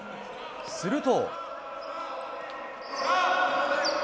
すると。